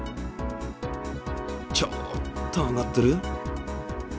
ちょっと上がってる？